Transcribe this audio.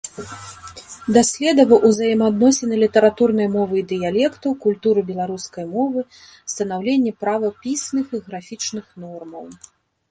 Даследаваў узаемаадносіны літаратурнай мовы і дыялектаў, культуру беларускай мовы, станаўленне правапісных і графічных нормаў.